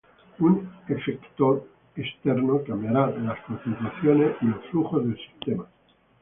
Un efector externo cambiará las concentraciones y los flujos del sistema.